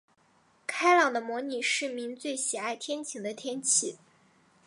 开朗的模拟市民最喜爱天晴的天气。